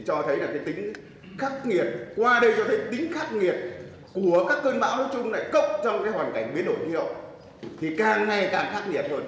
cho thấy là tính khắc nghiệt qua đây cho thấy tính khắc nghiệt của các cơn bão hỗ trung này cốc trong hoàn cảnh biến đổi hiệu thì càng ngày càng khắc nghiệt hơn